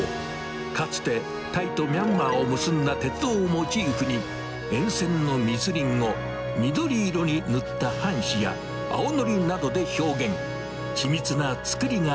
かつて、タイとミャンマーを結んだ鉄道をモチーフに、沿線の密林を緑色に塗った半紙や青のりなどで表現。